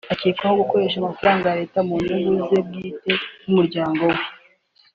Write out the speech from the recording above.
akekwaho gukoresha amafaranga ya leta mu nyungu ze bwite n’umuryango we